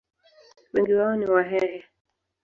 Wengi wao ni Wahehe.